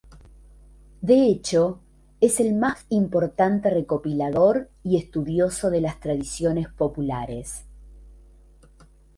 De hecho, es el más importante recopilador y estudioso de las tradiciones populares.